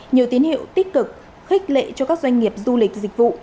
nhiều tín hiệu tích cực khích lệ cho các doanh nghiệp du lịch dịch vụ